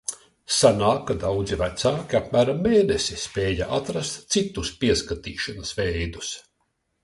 Sanāk, ka daudzi vecāki apmēram mēnesi spēja atrast "citus pieskatīšanas veidus".